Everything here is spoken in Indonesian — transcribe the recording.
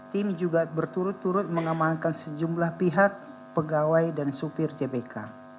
tim juga berturut turut mengamankan sejumlah pihak pegawai dan supir jbk